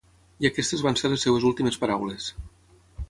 I aquestes van ser les seves últimes paraules.